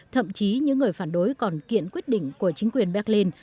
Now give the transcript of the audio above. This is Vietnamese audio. thậm chí những người phản đối còn kiện quyết định của chính quyền berlin